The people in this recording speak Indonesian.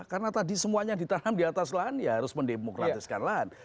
karena tadi semuanya ditanam di atas lahan ya harus mendemokratiskan lahan